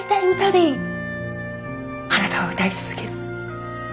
あなたは歌い続ける。